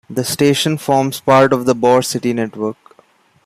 The station forms part of the Bauer City network.